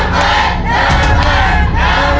๑บาท